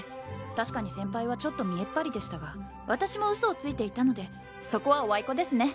確かに先輩はちょっと見えっ張りでしたがわたしも嘘をついていたのでそこはおあいこですね。